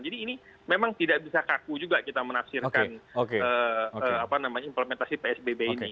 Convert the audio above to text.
jadi ini memang tidak bisa kaku juga kita menafsirkan implementasi psbb ini